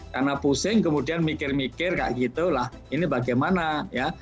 karena pusing kemudian mikir mikir kayak gitu lah ini bagaimana ya